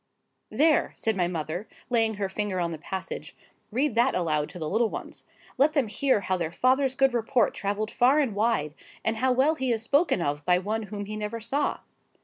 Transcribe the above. "There!" said my mother, laying her finger on the passage, "read that aloud to the little ones. Let them hear how their father's good report travelled far and wide, and how well he is spoken of by one whom he never saw.